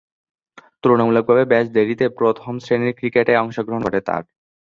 তুলনামূলকভাবে বেশ দেরীতে প্রথম-শ্রেণীর ক্রিকেটে অংশগ্রহণ ঘটে তার।